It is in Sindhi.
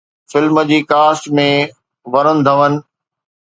فلم جي ڪاسٽ ۾ ورون ڌون